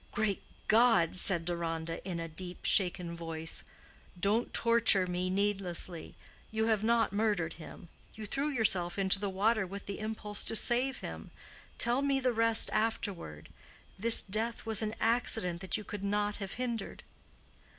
"Great God!" said Deronda, in a deep, shaken voice, "don't torture me needlessly. You have not murdered him. You threw yourself into the water with the impulse to save him. Tell me the rest afterward. This death was an accident that you could not have hindered."